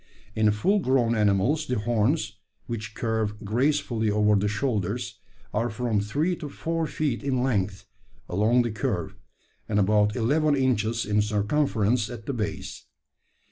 In full grown animals the horns, which curve gracefully over the shoulders, are from three to four feet in length along the curve, and about eleven inches in circumference at the base.